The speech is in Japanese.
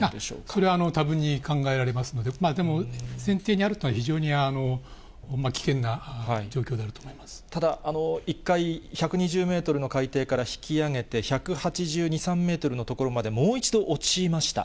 それはたぶんに考えられますので、でも、船底にあると非常にただ、一回１２０メートルの海底から引き揚げて１８２、３メートルの所までもう一度落ちました。